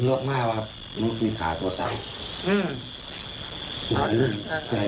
เราก็ปิดเงินตะทำตามเหตุการณ์หลัว